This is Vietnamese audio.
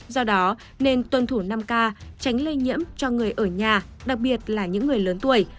do đó nên tuân thủ năm k tránh lây nhiễm cho người ở nhà đặc biệt là những người lớn tuổi